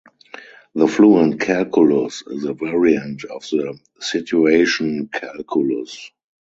The fluent calculus is a variant of the situation calculus.